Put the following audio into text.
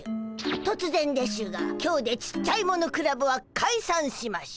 突然でしゅが今日でちっちゃいものクラブはかいさんしましゅ！